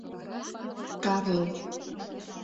— Тарле.